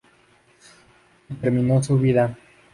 Y termino su vida.